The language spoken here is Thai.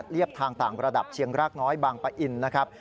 เรียบทางต่างระดับเชียงรากน้อยบางปะอินนะครับ